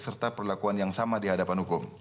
serta perlakuan yang sama dihadapan hukum